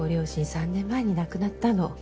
３年前に亡くなったの。